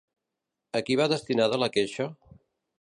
A qui va destinada la queixa?